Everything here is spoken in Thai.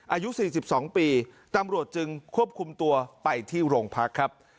อายุ๔๒ปีตำรวจจึงควบคุมตัวไปที่โรงพักครับ